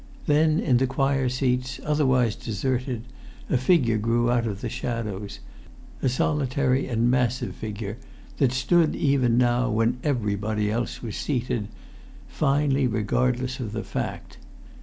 Then in the choir seats, otherwise deserted, a figure grew out of the shadows, a solitary and a massive figure, that stood even now when everybody else was seated, finely regardless of the fact.